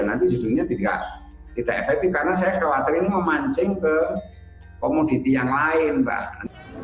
nanti judulnya tidak efektif karena saya khawatir ini memancing ke komoditi yang lain mbak